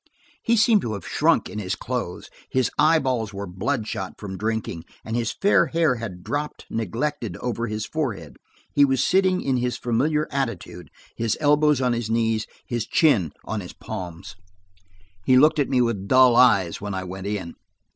He seemed to have shrunk in his clothes; his eyeballs were bloodshot from drinking, and his fair hair had dropped, neglected, over his forehead. He was sitting in his familiar attitude, his elbows on his knees, his chin on his palms. He looked at me with dull eyes, when I went in.